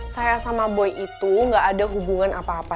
saya sama boy itu gak ada hubungan apa apa